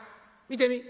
見てみ？